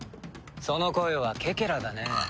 その声はケケラだね。